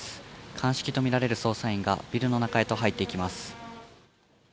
鑑識と見られる捜査員がビルの中へと入っていきます。